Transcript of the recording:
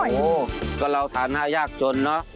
โอ๊ยก็เราฐานหน้ายากจนเนอะ